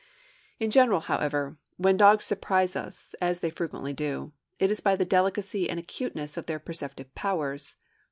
In general, however, when dogs surprise us, as they frequently do, it is by the delicacy and acuteness of their perceptive powers.